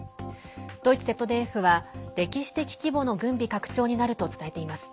ドイツＺＤＦは、歴史的規模の軍備拡張になると伝えています。